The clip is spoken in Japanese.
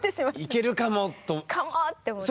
いけるかもと？かもって思って。